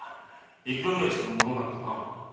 いくらぐらいするものなのかな？